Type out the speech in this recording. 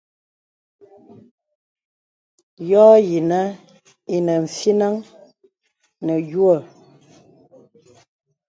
Yɔ̄ yìnə̀ inə fínaŋ nə̀ yùə̀ə̀.